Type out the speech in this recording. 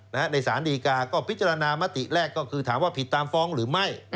ในสารดีกาก็พิจารณามติแรกก็คือถามว่าผิดตามฟ้องหรือไม่